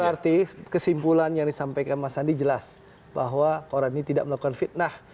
berarti kesimpulan yang disampaikan mas andi jelas bahwa koran ini tidak melakukan fitnah